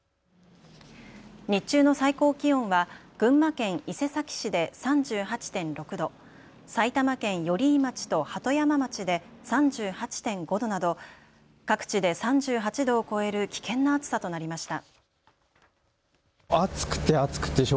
日中の最高気温は群馬県伊勢崎市で３８．６度、埼玉県寄居町と鳩山町で３８．５度など各地で３８度を超える危険な暑さとなりました。